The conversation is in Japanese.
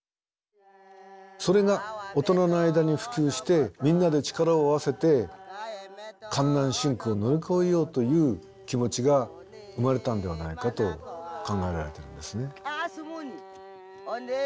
それが大人の間に普及してみんなで力を合わせて艱難辛苦を乗り越えようという気持ちが生まれたんではないかと考えられているんですね。